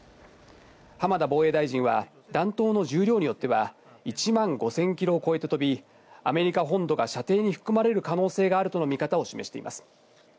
浜田防衛大臣は、弾頭の重量によっては、１万５０００キロを超えて飛び、アメリカ本土が射程に含まれる可能性があるとの見方を示しています。